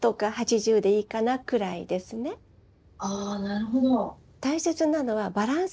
あなるほど。